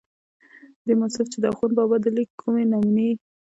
دې مصنف چې دَاخون بابا دَليک کومې نمونې